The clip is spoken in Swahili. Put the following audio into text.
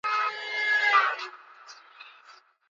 moja au mbili kama kuruka mbali pointi